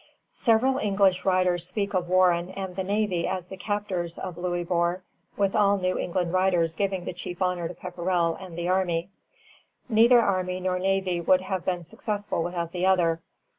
Several English writers speak of Warren and the navy as the captors of Louisbourg, and all New England writers give the chief honor to Pepperrell and the army. Neither army nor navy would have been successful without the other.